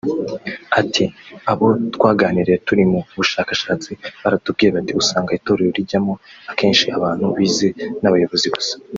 Ati “Abo twaganiriye turi mu bushakashatsi baratubwiye bati ‘usanga Itorero rijyamo akenshi abantu bize n’abayobozi gusa